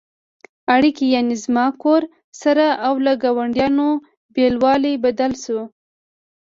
اړیکې «زما کور» سره او له ګاونډیانو بېلوالی بدل شو.